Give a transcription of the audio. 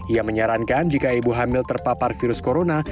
ia menyarankan jika ibu hamil terpapar virus corona